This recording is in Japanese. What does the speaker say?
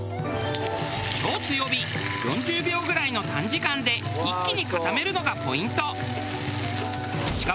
超強火４０秒ぐらいの短時間で一気に固めるのがポイント。